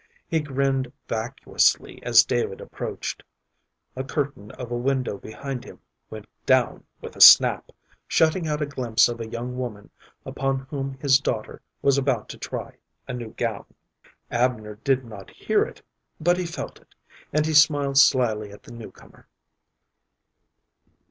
He grinned vacuously as David approached. A curtain of a window behind him went down with a snap, shutting out a glimpse of a young woman upon whom his daughter was about to try a new gown. Abner did not hear it, but he felt it, and he smiled slyly at the new comer.